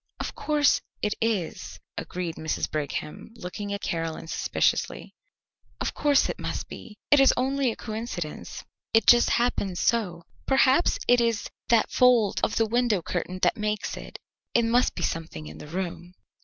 "Of course, it is," agreed Mrs. Brigham, looking at Caroline suspiciously. "Of course it must be. It is only a coincidence. It just happens so. Perhaps it is that fold of the window curtain that makes it. It must be something in the room."